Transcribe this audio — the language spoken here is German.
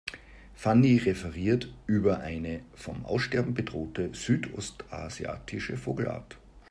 Fanny referiert über eine vom Aussterben bedrohte südostasiatische Vogelart.